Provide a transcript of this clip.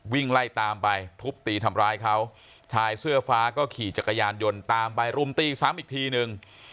วิ่งไล่ตามไปทุบตีทำร้ายเขาชายเสื้อฟ้าก็ขี่จักรยานยนต์ตามไปรุมตีซ้ำอีกทีนึง